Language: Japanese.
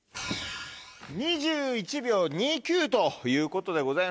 ２１秒２９ということでございまして。